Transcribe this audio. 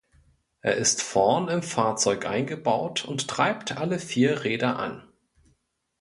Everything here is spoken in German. Er ist vorn im Fahrzeug eingebaut und treibt alle vier Räder an.